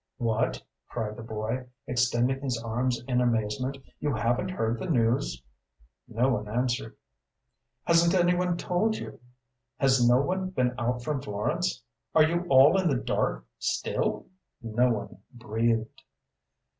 "What!" cried the boy, extending his arms in amazement, "you haven't heard the news?" No one answered. "Hasn't any one told you? Has no one been out from Florence? Are you all in the dark still?" No one breathed.